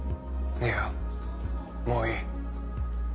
いやもういい。